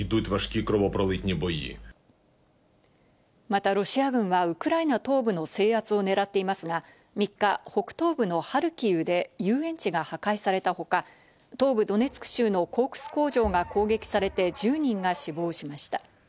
またロシア軍はウクライナ東部の制圧を狙っていますが、３日、北東部のハルキウで遊園地が破壊されたほか、東部ドネツク州のコークス工場が攻撃されて１０人が死亡しました。